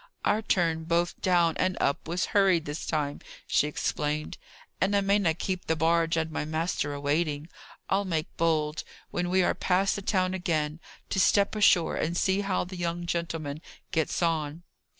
"Our turn both down and up was hurried this time," she explained, "and I mayna keep the barge and my master a waiting. I'll make bold, when we are past the town again, to step ashore, and see how the young gentleman gets on."